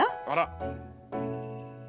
あら！